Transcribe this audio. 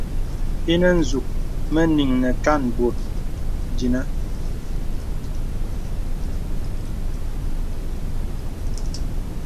Inə nzūk mə nīŋ nə kān bòt dīnə.